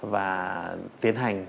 và tiến hành